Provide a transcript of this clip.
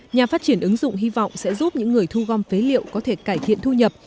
nhà phát triển ứng dụng hy vọng sẽ giúp những người thu gom phế liệu có thể cải thiện thu nhập